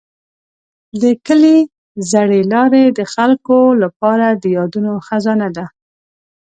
د کلي زړې لارې د خلکو لپاره د یادونو خزانه ده.